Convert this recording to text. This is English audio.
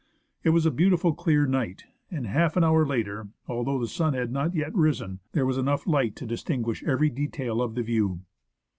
It was a beautifully clear night, and half an hour later, although the sun had not yet risen, there was enough light to distinguish every detail of the view.